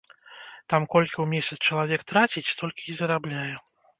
Там колькі ў месяц чалавек траціць, столькі і зарабляе.